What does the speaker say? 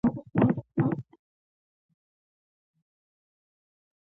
په پښتو کې دوا ته درمل ویل کیږی.